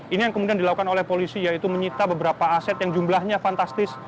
ini yang kemudian dilakukan oleh polisi yaitu menyita beberapa aset yang jumlahnya fantastis